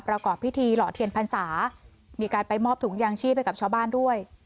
ประกอบพิธีหล่อเทียนพรรษามีการไปมอบถุงยางชีพให้กับชาวบ้านด้วย